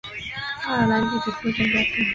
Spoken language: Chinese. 爱尔兰地主家庭出身。